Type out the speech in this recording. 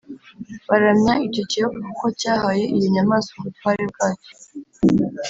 Baramya icyo kiyoka kuko cyahaye iyo nyamaswa ubutware bwacyo